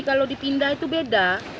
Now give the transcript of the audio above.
kalau dipindah itu beda